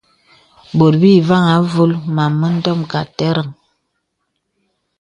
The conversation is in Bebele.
Bòt bì vàŋhī āvōl màm mə ndòm kà àterəŋ.